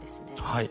はい。